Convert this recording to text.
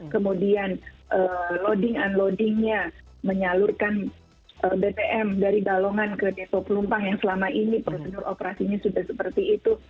kemudian loading unloading nya menyalurkan bbm dari balongan ke depo pelumpang yang selama ini operasinya sudah seperti itu